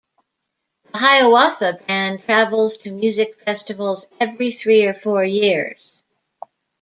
The Hiawatha band travels to music festival every three or four years.